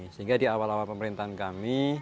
sehingga di awal awal pemerintahan kami